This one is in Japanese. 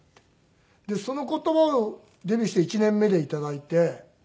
でその言葉をデビューして１年目で頂いて。